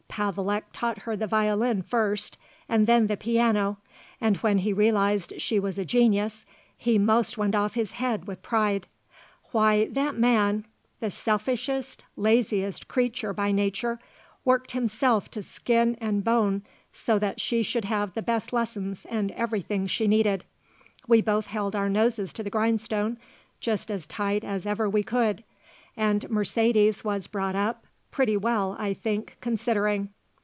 Pavelek taught her the violin first and then the piano and when he realized she was a genius he most went off his head with pride. Why that man the selfishest, laziest creature by nature worked himself to skin and bone so that she should have the best lessons and everything she needed. We both held our noses to the grindstone just as tight as ever we could, and Mercedes was brought up pretty well, I think, considering.